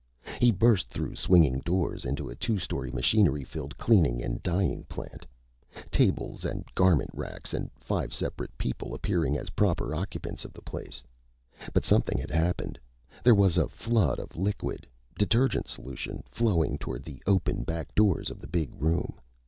He burst through swinging doors into a two story, machinery filled cleaning and dyeing plant. Tables and garment racks and five separate people appeared as proper occupants of the place. But something had happened. There was a flood of liquid detergent solution flowing toward the open back doors of the big room.